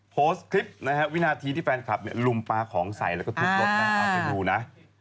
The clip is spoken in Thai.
โพสต์คลิปนะฮะวินาทีที่แฟนคลับเนี่ยลุมปลาของใส่แล้วก็ทุบรถนะเอาไปดูนะ